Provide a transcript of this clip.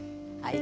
はい。